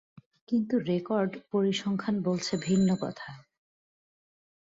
কিন্তু রেকর্ড পরিসংখ্যান বলছে ভিন্ন কথা।